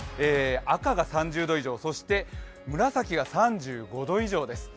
赤が３０度以上、紫が３５度以上です。